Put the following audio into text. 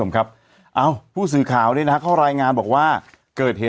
ครับเบรกครับแม่